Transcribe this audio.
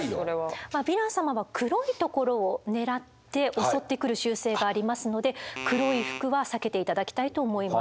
ヴィラン様は黒いところを狙って襲ってくる習性がありますので黒い服は避けて頂きたいと思います。